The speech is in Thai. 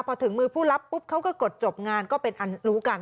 พอถึงมือผู้รับปุ๊บเขาก็กดจบงานก็เป็นอันรู้กัน